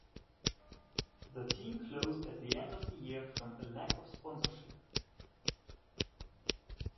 The team closed at the end of the year from a lack of sponsorship.